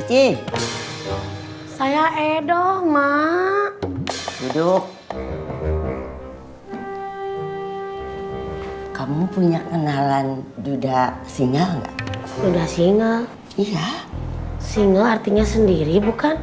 kecil saya edo ma duduk kamu punya kenalan duda singal singal iya single artinya sendiri bukan